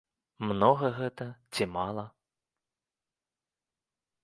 Многа гэта ці мала?